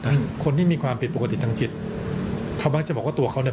อ่ะคนที่มีความผิดปกติทางจิตเขามักจะบอกว่าตัวเขาเนี่ย